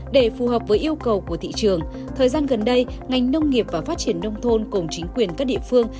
để phù hợp với yêu cầu của thị trường thời gian gần đây ngành nông nghiệp và phát triển nông thôn cùng chính quyền các địa phương